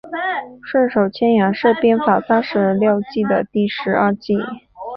顺手牵羊是兵法三十六计的第十二计。